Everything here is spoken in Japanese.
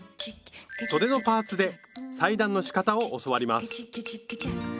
そでのパーツで裁断のしかたを教わります